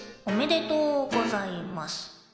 おめでとうございます。